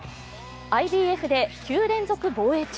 ＩＢＦで９連続防衛中。